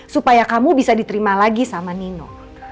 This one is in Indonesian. supaya kamu bisa diterima lagi sama nino